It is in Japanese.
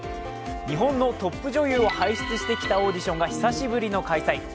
日本のトップ女優を輩出してきたオーディションが久しぶりの開催。